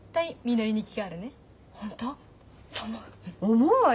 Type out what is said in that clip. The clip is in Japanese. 思うわよ。